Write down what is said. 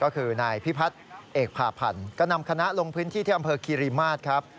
ก็คือนายพิพัฒน์เอกพาพันธ์ก็นำคณะลงพื้นที่ที่อำเภอคีรีมาศครับ